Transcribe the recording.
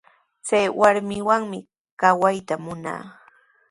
Chay warmiwanmi kawayta munaa.